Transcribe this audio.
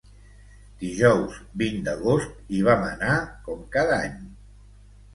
Dijous, vint d’agost, hi vam anar com cada any.